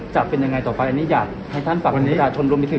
จะเป็นยังไงต่อไปอันนี้อยากให้ท่านฝากประชาชนรวมถึง